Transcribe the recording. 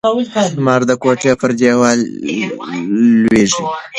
لمر د کوټې پر دیوال لوېږي.